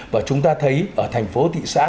và chúng ta thấy ở thành phố thị xã